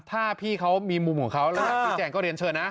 ถ้าพี่เขามีมุมของเขาแล้วอยากชี้แจงก็เรียนเชิญนะ